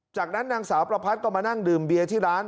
จากนั้นนางสาวประพัดก็มานั่งดื่มเบียร์ที่ร้าน